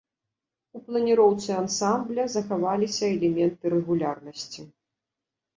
У планіроўцы ансамбля захаваліся элементы рэгулярнасці.